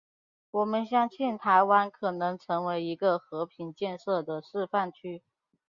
我们相信台湾可能成为一个和平建设的示范区。